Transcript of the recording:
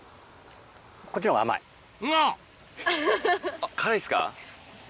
あっ、辛いっすか？